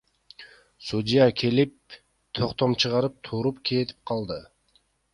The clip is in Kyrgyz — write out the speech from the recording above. Судья келип, токтом чыгарып туруп кетип калды.